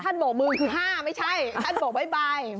โบกมือคือ๕ไม่ใช่ท่านโบกบ๊ายบาย